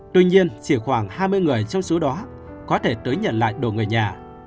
tuy nhiên chỉ khoảng hai mươi người trong số đó có thể tới nhận lại đồ người nhà